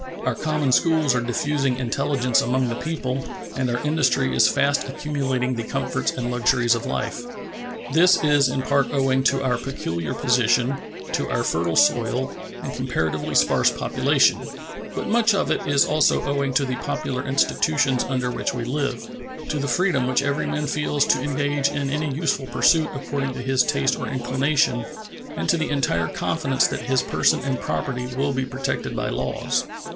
Our common schools are diffusing intelligence among the people and our industry is fast accumulating the comforts and luxuries of life. This is in part owing to our peculiar position, to our fertile soil and comparatively sparse population; but much of it is also owing to the popular institutions under which we live, to the freedom which every man feels to engage in any useful pursuit according to his taste or inclination, and to the entire confidence that his person and property will be protected by the laws.